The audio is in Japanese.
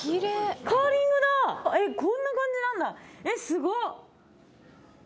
カーリングだこんな感じなんだえっすごっ！